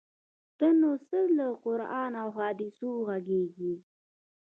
ته نو څه له قران او احادیثو ږغیږې؟!